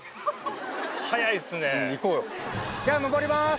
じゃあ登りまーす。